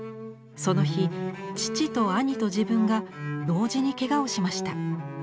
その日父と兄と自分が同時にケガをしました。